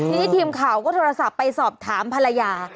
ทีนี้ทีมข่าวก็โทรศัพท์ไปสอบถามภรรยา